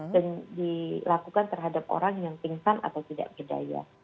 dilakukan terhadap orang yang pingsan atau tidak berdaya